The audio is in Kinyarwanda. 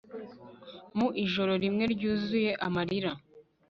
mu ijoro rimwe ryuzuye amarira